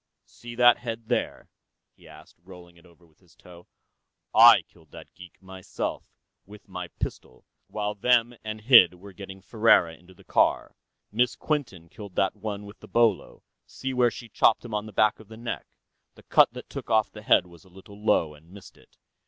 "See that head, there?" he asked, rolling it over with his toe. "I killed that geek, myself, with my pistol, while Them and Hid were getting Ferriera into the car. Miss Quinton killed that one with the bolo; see where she chopped him on the back of the neck? The cut that took off the head was a little low, and missed it.